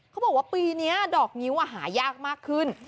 เขาบอกว่าปีนี้ดอกงิ้วหายากมากขึ้น